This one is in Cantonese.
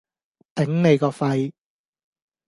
頂你個肺！